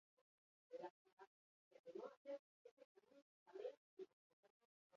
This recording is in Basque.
Heldu den azaroaren hogeian programa abiatuko da.